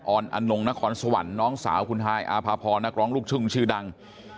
นอนงนครสวรรค์น้องสาวคุณฮายอาภาพรนักร้องลูกทุ่งชื่อดัง